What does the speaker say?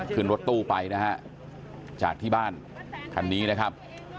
ขึ้นรถตู้ไปนะฮะจากที่บ้านคันนี้นะครับ